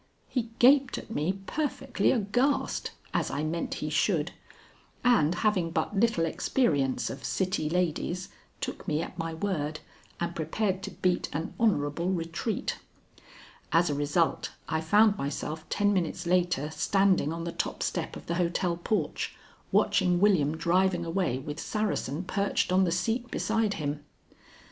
He gaped at me perfectly aghast (as I meant he should), and, having but little experience of city ladies, took me at my word and prepared to beat an honorable retreat. As a result, I found myself ten minutes later standing on the top step of the hotel porch, watching William driving away with Saracen perched on the seat beside him.